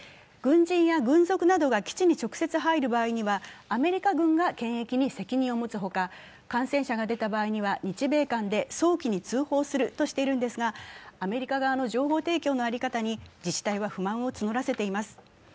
軍人や軍属などが基地に直接入る場合にはアメリカ軍が検疫に責任を持つほか感染者が出た場合には日米間で早期に通報するとしているのですがアメリカ側の情報提供の在り方に自治体は不満を募らせています。